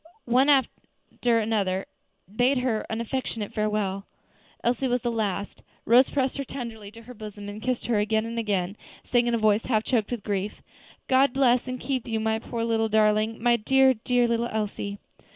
One after another bade her an affectionate farewell. Elsie was the last. Rose pressed her tenderly to her bosom, and kissed her again and again, saying, in a voice half choked with grief, "God bless and keep you, my poor little darling; my dear, dear little Elsie!"